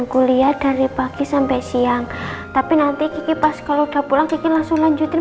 kuliah dari pagi sampai siang tapi nanti kipas kalau udah pulang ke langsung lanjutin